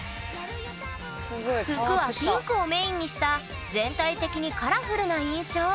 服はピンクをメインにした全体的にカラフルな印象